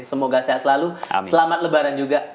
semoga sehat selalu selamat lebaran juga